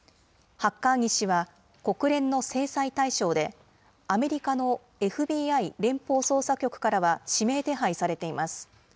ハッカーニ氏は国連の制裁対象で、アメリカのＦＢＩ・連邦捜査局からは指名手配されています。